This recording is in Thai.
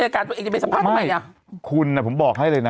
เขารู้ในฐานะนักข่าวเลยว่า